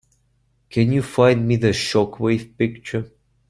Can you find me the Shockwave picture?